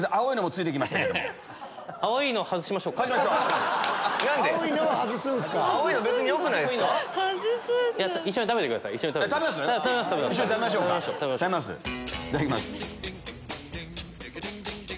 いただきます。